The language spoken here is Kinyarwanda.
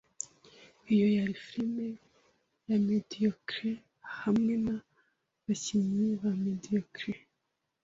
Iyo yari firime ya mediocre hamwe nabakinnyi ba mediocre.